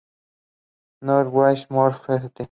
Nothing I Want More ft.